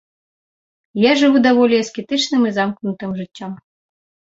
Я жыву даволі аскетычным і замкнутым жыццём.